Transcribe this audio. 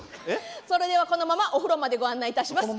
それではこのままお風呂までご案内いたします。